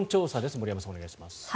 森山さん、お願いします。